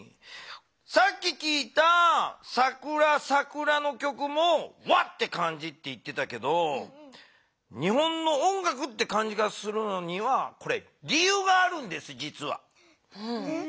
さっききいた「さくらさくら」の曲も和って感じって言ってたけど日本の音楽という感じがするのには理ゆうがあるんですじつは。